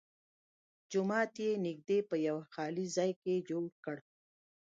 جومات یې نږدې په یوه خالي ځای کې جوړ کړ.